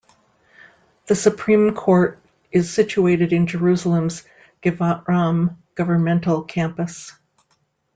The Supreme Court is situated in Jerusalem's Givat Ram governmental campus.